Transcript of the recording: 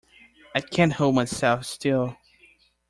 I can't hold myself still.